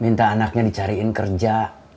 minta anaknya dicariin kerja